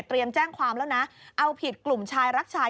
แจ้งความแล้วนะเอาผิดกลุ่มชายรักชาย